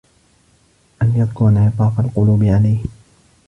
أَنْ يَذْكُرَ انْعِطَافَ الْقُلُوبِ عَلَيْهِ